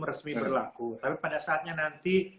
resmi berlaku tapi pada saatnya nanti